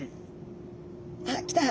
あっ来た！